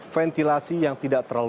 ventilasi yang tidak berhenti